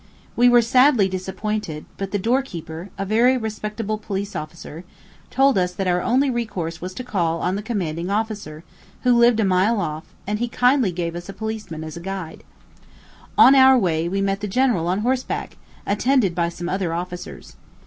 We were sadly disappointed, but the doorkeeper, a very respectable police officer, told us that our only recourse was to call on the commanding officer, who lived a mile off, and he kindly gave us a policeman as a guide. On our way, we met the general on horseback, attended by some other officers.